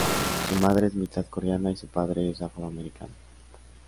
Su madre es mitad coreana y su padre es afroamericano.